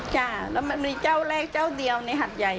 จ้ะแล้วมันมีเจ้าแรกเจ้าเดียวในหัดใหญ่